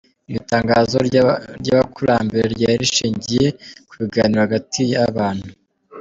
Iryo tangazamakuru ry’abakurambere ryari rishingiye ku biganiro hagati y’abantu.